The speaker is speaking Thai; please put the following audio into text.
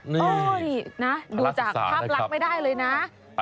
นี่นะดูจากภาพลักษณ์ไม่ได้เลยนะ